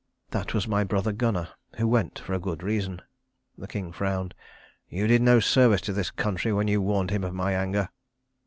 That was my brother Gunnar, who went for a good reason." The king frowned. "You did no service to this country when you warned him of my anger."